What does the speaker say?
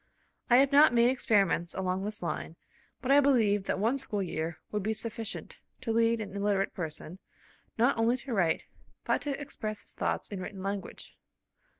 I have not made experiments along this line, but I believe that one school year would be suffi cient to lead an illiterate person, not only to write, but to express his thoughts in written language.